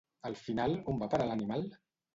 Al final, on va a parar l'animal?